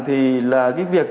thì là cái việc